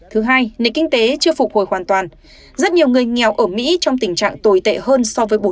thứ hai nền kinh tế chưa phục hồi hoàn toàn rất nhiều người nghèo ở mỹ trong tình trạng tồi tệ hơn so với bốn mươi